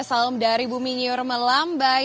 salam dari bumi nyur melambai